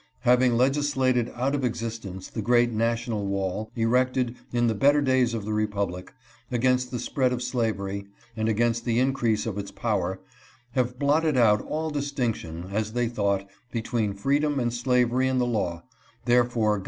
Having legislated out of existence the great national wall, erected, in the better days of the republic, against the spread of slavery, and against the increase of its power — having blotted out all distinction, as they thought, between freedom and slavery in the law, theretofore, gov JOHN BROWN.